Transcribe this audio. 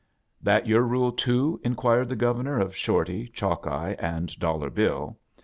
" That your rule, too?" inquired the Governor of Shorty, Chalkeye, and Dollar Bill.